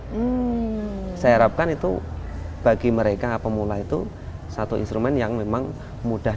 tapi saya juga bisa katakan itu bagi mereka pemula itu satu instrumen yang memang mudah